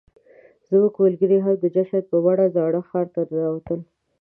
زموږ ملګري هم د جشن په بڼه زاړه ښار ته ننوتل.